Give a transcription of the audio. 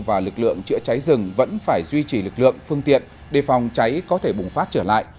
và lực lượng chữa cháy rừng vẫn phải duy trì lực lượng phương tiện đề phòng cháy có thể bùng phát trở lại